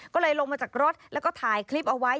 ก็เลยลงมาจากรถแล้วก็ถ่ายคลิปเอาไว้